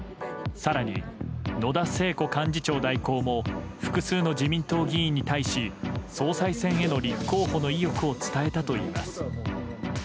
さらに、野田聖子幹事長代行も、複数の自民党議員に対し、総裁選への立候補の意欲を伝えたといいます。